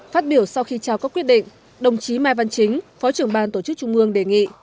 phát biểu sau khi trao các quyết định đồng chí mai văn chính phó trưởng ban tổ chức trung ương đề nghị